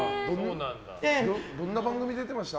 どんな番組出てました？